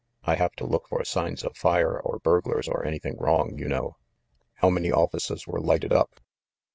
I have to look for signs of fires or burglars or anything wrong, you know." "How many offices were lighted up?"